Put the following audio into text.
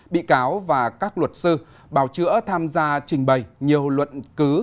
bị cáo và các luật sư bào chữa tham gia trình bày nhiều luận cứ